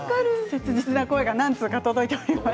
切実な声が何通か届いています。